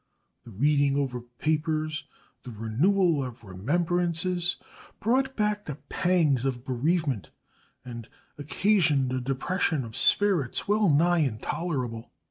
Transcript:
The reading over of papers, the renewal of remembrances, brought back the pangs of bereavement and occasioned a depression of spirits well nigh intolerable.